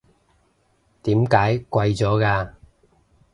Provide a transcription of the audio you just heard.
點解貴咗嘅？